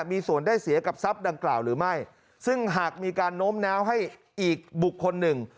มีส่วนได้เสียกับทรัพย์ดังกล่าวหรือไม่ซึ่งหากมีการโน้มน้าวให้อีกบุคคลหนึ่ง